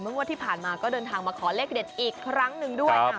งวดที่ผ่านมาก็เดินทางมาขอเลขเด็ดอีกครั้งหนึ่งด้วย